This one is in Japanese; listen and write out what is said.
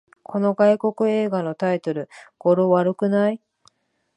この外国映画のタイトル、語呂悪くない？